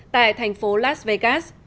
tại thành phố las vegas